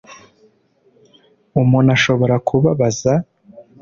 Umuntu ashobora kubabaza